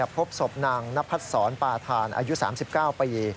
พบศพนางนพัดศรปาธานอายุ๓๙ปี